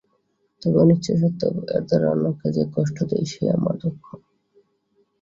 তবে অনিচ্ছা সত্ত্বেও এর দ্বারা অন্যকে যে কষ্ট দিই, সেই আমার দুঃখ।